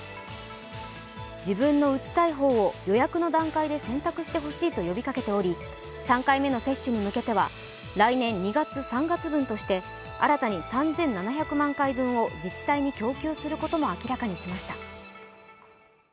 自分の打ちたい方を予約の段階で選択してほしいと呼びかけており３回目の接種に向けては来年２月、３月分として新たに３７００万回分を自治体に供給することも明らかにしました。